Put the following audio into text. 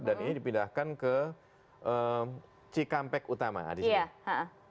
dan ini dipindahkan ke cikampek utama di sini